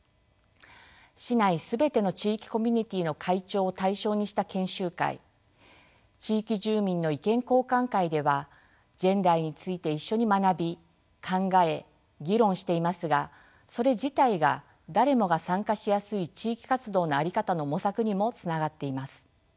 市内全ての地域コミュニティーの会長を対象にした研修会地域住民の意見交換会ではジェンダーについて一緒に学び考え議論していますがそれ自体が誰もが参加しやすい地域活動の在り方の模索にもつながっています。